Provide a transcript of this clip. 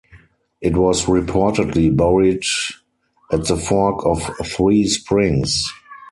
It was reportedly buried at the fork of three springs.